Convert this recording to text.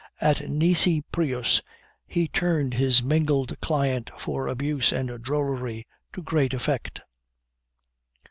At Nisi Prius, he turned his mingled talent for abuse and drollery to great effect.